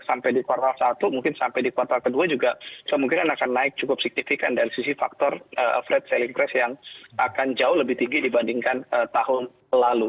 sampai di kuartal satu mungkin sampai di kuartal kedua juga kemungkinan akan naik cukup signifikan dari sisi faktor frate selling crass yang akan jauh lebih tinggi dibandingkan tahun lalu